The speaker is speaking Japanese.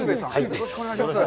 よろしくお願いします。